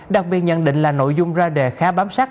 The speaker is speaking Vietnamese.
đặc biệt nhận định là nội dung ra đề khá bám sát